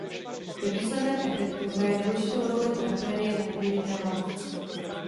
Ve výsledném efektu hraje důležitou roli drapérie na použité látce.